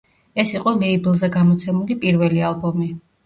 ეს იყო ლეიბლზე გამოცემული პირველი ალბომი.